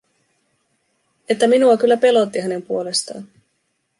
Että minua kyllä pelotti hänen puolestaan!